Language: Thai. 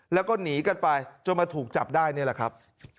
แล้วก็หนีกันไปจนมาถูกจับได้นี่แหละครับ